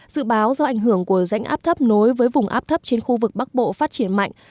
dự báo do ảnh hưởng của rãnh áp thấp nối với vùng áp thấp trên khu vực bắc bộ phát triển mạnh